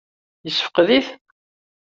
Yessefqed-it?